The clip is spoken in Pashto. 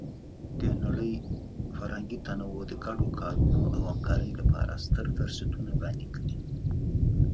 د نړۍ فرهنګي تنوع د ګډو کارونو او همکارۍ لپاره ستر فرصتونه وړاندې کوي.